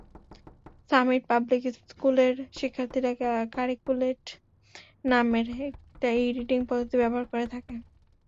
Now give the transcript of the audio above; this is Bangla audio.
সামিট পাবলিক স্কুলের শিক্ষার্থীরা কারিক্যুলেট নামের একটা ই-রিডিং পদ্ধতি ব্যবহার করে থাকে।